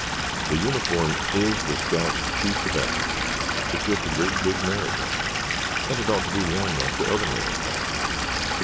The uniform is the scout's chief badge. It's just a great, big merit badge and it ought to be worn like the other merit badges."